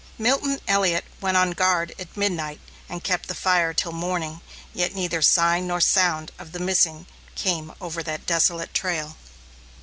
Milton Elliot went on guard at midnight, and kept the fire till morning, yet neither sign nor sound of the missing came over that desolate trail.